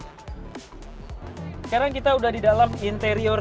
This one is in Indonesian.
sekarang kita udah di dalam interior